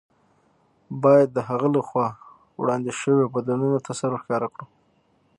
باید د هغه له خوا وړاندې شویو بدلوونکو ته سر ورښکاره کړو.